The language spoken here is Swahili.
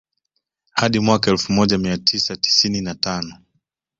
Hadi mwaka elfu moja mia tisa tisini na Tano